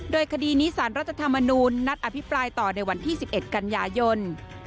โดยคดีนี้สารรัฐธรรมนูญนัดอภิปรายต่อในวันที่๑๑กันยายน